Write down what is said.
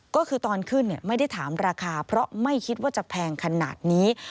ก็คือตอนขึ้นไม่ได้ถามราคาเพราะไม่คิดว่าจะแพงขนาดนี้